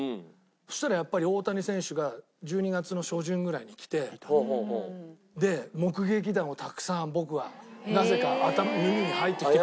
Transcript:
そしたらやっぱり大谷選手が１２月の初旬ぐらいに来てで目撃談をたくさん僕はなぜか耳に入ってきて。